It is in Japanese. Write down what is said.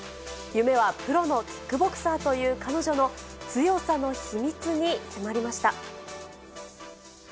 夢はプロのキックボクサーという彼女の、強さの秘密に迫りました。